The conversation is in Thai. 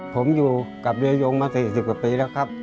ผมอยู่กับเยยงมา๔๐กว่าปีแล้วครับ